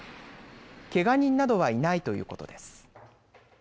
けが人などはいないということです。